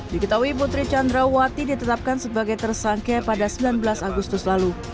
diketahui putri candrawati ditetapkan sebagai tersangka pada sembilan belas agustus lalu